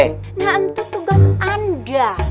nah entu tugas anda